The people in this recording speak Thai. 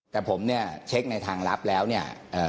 แต่ผมเนี่ยเช็คในทางลับแล้วเนี่ย